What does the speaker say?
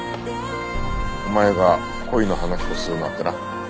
お前が恋の話をするなんてな。